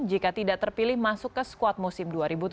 jika tidak terpilih masuk ke squad musim dua ribu tujuh belas